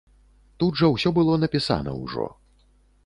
Тут жа ўсё было напісана ўжо.